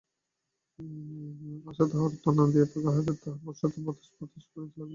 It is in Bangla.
আশা তাহার উত্তর না দিয়া পাখা-হাতে তাঁহার পশ্চাতে বসিয়া বাতাস করিতে লাগিল।